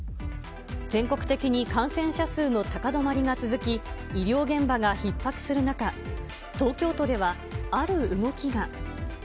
全国的に感染者数の高止まりが続き、医療現場がひっ迫する中、東京都ではある動きが。